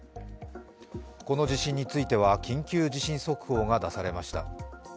この地震については、緊急地震速報が出されました。